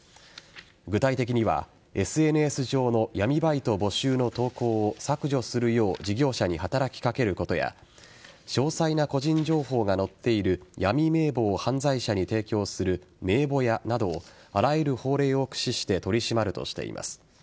具体的にはＳＮＳ上の闇バイト募集の投稿を削除するよう事業者に働きかけることや詳細な個人情報が載っている闇名簿を犯罪者に提供する名簿屋などをあらゆる法令を駆使して取り締まるとしています。